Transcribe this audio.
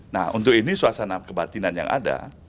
nah untuk ini suasana kebatinan yang ada